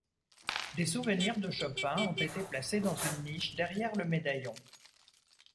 Des souvenirs de Chopin ont été placés dans une niche derrière le médaillon.